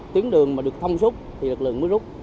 tuyến đường mà được thông suốt thì lực lượng mới rút